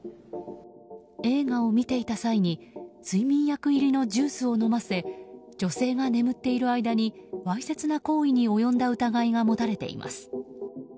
映画を見ていた際に睡眠薬入りのジュースを飲ませ女性が眠っている間にわいせつな行為に及んだ疑いが持たれています。